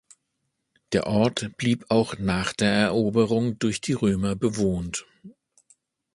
Der Ort blieb auch nach der Eroberung durch die Römer bewohnt.